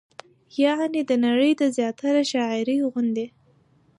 يعنې د نړۍ د زياتره شاعرۍ غوندې